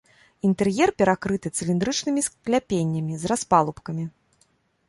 Інтэр'ер перакрыты цыліндрычнымі скляпеннямі з распалубкамі.